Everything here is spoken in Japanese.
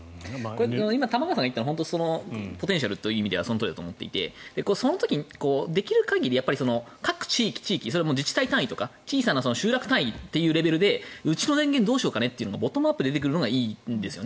今、玉川さんが言ったのはポテンシャルという意味ではそのとおりだと思っていてできるというのなら各地域、地域それも自治体単位とか小さな集落単位でうちの電源どうしようかねというのがボトムアップで出てくるのがいいと思うんです。